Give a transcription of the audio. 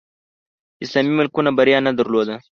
اسلامي ملکونو بریا نه درلوده